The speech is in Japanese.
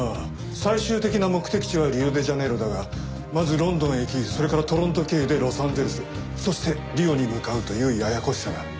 最終的な目的地はリオデジャネイロだがまずロンドンへ行きそれからトロント経由でロサンゼルスそしてリオに向かうというややこしさだ。